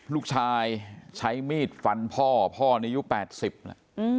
ลูกชายใช้มีดฟันพ่อพ่อในอายุ๘๐นะ